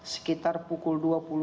sekitar pukul dua puluh